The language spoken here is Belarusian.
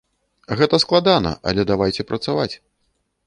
Гэта складана, але давайце працаваць.